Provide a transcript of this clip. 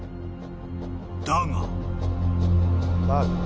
［だが］